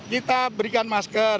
kita berikan masker